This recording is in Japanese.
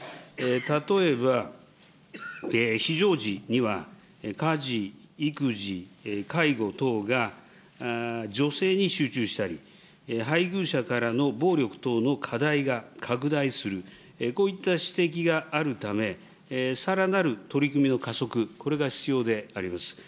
例えば非常時には家事、育児、介護等が女性に集中したり、配偶者からの暴力等の課題が拡大する、こういった指摘があるため、さらなる取り組みの加速、これが必要であります。